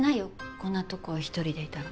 こんなとこ１人でいたら。